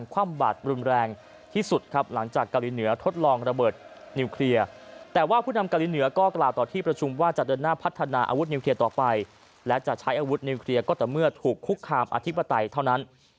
ก็แต่เมื่อถูกคุกคามอธิปไตยเท่านั้น